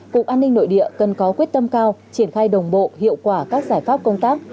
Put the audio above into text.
cục an ninh nội địa cần có quyết tâm cao triển khai đồng bộ hiệu quả các giải pháp công tác